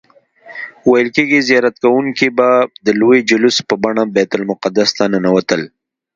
ویل کیږي زیارت کوونکي به د لوی جلوس په بڼه بیت المقدس ته ننوتل.